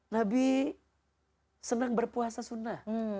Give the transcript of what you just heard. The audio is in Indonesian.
nabi senang berpuasa sunnah